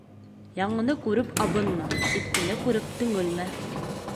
Яңыны күреп абынма, иҫкене күреп төңөлмә.